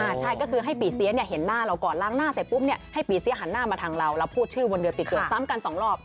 ใช่ก็คือให้ปีเสียเนี่ยเห็นหน้าเราก่อนล้างหน้าเสร็จปุ๊บเนี่ยให้ปีเสียหันหน้ามาทางเราแล้วพูดชื่อบนเดือนปีเกิดซ้ำกันสองรอบ